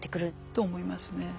と思いますね。